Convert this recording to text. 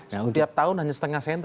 setiap tahun hanya setengah senti